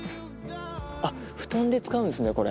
あっ布団で使うんですねこれ。